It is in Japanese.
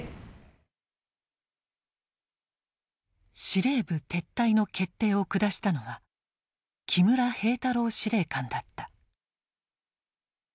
司令部撤退の決定を下したのは木村兵太郎司令官だった。